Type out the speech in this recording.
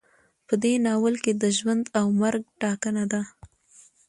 په دې ناول کې د ژوند او مرګ ټاکنه ده.